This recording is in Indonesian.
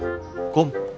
kamu tahu tidak pak